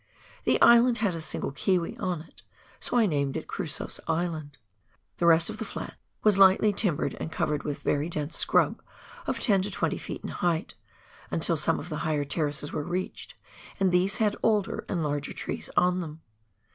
The island had a single kiwi on it, so I named it Crusoe's Island. The rest of the flat was lightly timbered, and covered with very dense scrub of 10 to 20 ft. in height, until some of the higher terraces were reached, and these had older and larger trees on them.